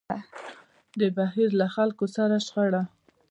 د بهير له خلکو سره شخړه.